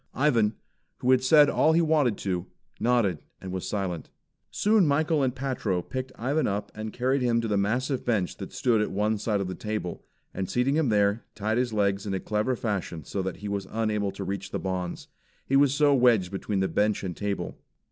Ivan, who had said all he wanted to, nodded and was silent. Soon Michael and Patro picked Ivan up and carried him to the massive bench that stood at one side of the table, and seating him there, tied his legs in a clever fashion so that he was unable to reach the bonds, he was so wedged between the bench and table.